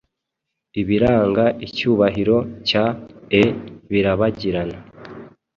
Ibiranga icyubahiro cya e birabagirana